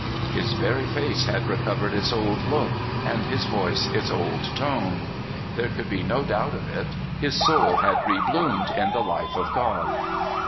His very face had recovered its old look, and his voice its old tone. There could be no doubt of it his soul had rebloomed in the life of God.